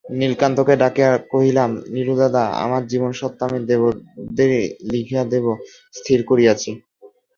নীলকান্তকে ডাকিয়া কহিলাম–নীলুদাদা, আমার জীবনস্বত্ব আমি দেবরদেরই লিখিয়া দিব স্থির করিয়াছি।